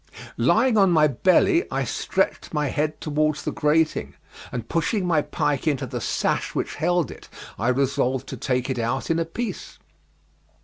Lying on my belly I stretched my head down towards the grating, and pushing my pike into the sash which held it I resolved to take it out in a piece.